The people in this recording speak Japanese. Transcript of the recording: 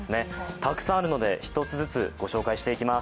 たくさんあるので一つずつご紹介していきます。